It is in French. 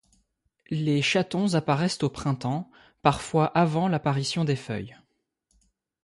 Les chatons apparaissent au printemps, parfois avant l’apparition des feuilles.